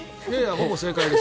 ほぼ正解です。